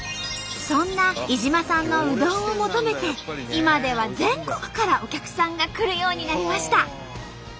そんな井島さんのうどんを求めて今では全国からお客さんが来るようになりました。